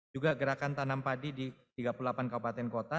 juga gerakan tanam padi di tiga puluh delapan kabupaten kota